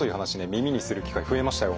耳にする機会増えましたよ。